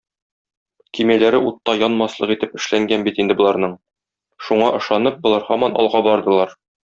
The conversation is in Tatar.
Көймәләре утта янмаслык итеп эшләнгән бит инде боларның, шуңа ышанып, болар һаман алга бардылар.